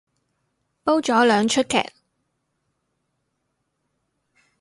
煲咗兩齣劇